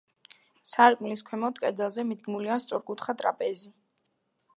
სარკმლის ქვემოთ, კედელზე, მიდგმულია სწორკუთხა ტრაპეზი.